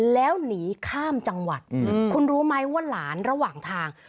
แล้วหนีข้ามจังหวัดคุณรู้ไหมว่าหลานระหว่างทาง